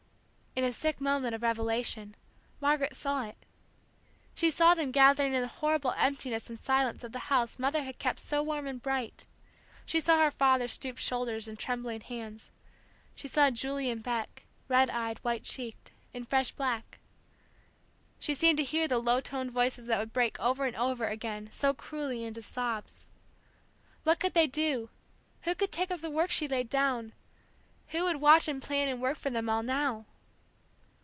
In a sick moment of revelation, Margaret saw it. She saw them gathering in the horrible emptiness and silence of the house Mother had kept so warm and bright, she saw her father's stooped shoulders and trembling hands, she saw Julie and Beck, red eyed, white cheeked, in fresh black, she seemed to hear the low toned voices that would break over and over again so cruelly into sobs. What could they do who could take up the work she laid down, who would watch and plan and work for them all, now?